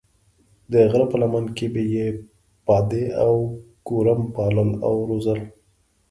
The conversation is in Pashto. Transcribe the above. د غره په لمن کې به یې پادې او ګورم پالل او روزل.